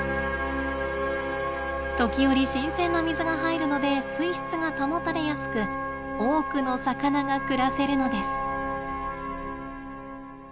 時折新鮮な水が入るので水質が保たれやすく多くの魚が暮らせるのです。